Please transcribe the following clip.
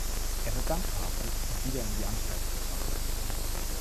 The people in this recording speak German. Er wird dann verhaftet und wieder in die Anstalt gebracht.